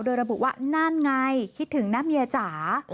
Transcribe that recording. โดยระบุว่านั่นไงคิดถึงนะเมียจ๋า